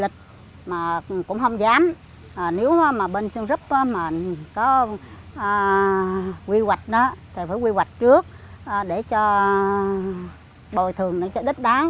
cũng không dám nếu mà bên sơn rấp có quy hoạch thì phải quy hoạch trước để cho bồi thường để cho đích đáng